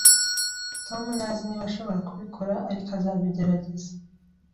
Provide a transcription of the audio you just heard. Tom ntazi niba ashobora kubikora, ariko azabigerageza